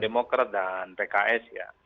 demokrat dan pks ya